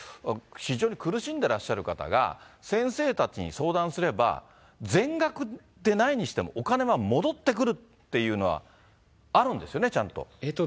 非常に苦しんでらっしゃる方が、先生たちに相談すれば、全額でないにしても、お金は戻ってくるっていうのはあるんですよね、ちゃんと。